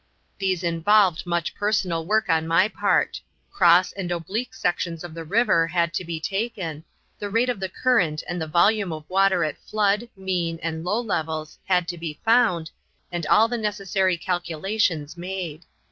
These involved, much personal work on my part; cross and oblique sections of the river had to be taken, the rate of the current and the volume of water at flood, mean, and low levels had to be found, and all the necessary calculations made.